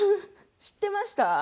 知ってました？